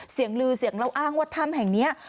เสียงลือเสียงเราอ้างว่าถ้ำแห่งนี้